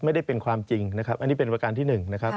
ไม่ได้เป็นความจริงนะครับอันนี้เป็นประการที่๑นะครับ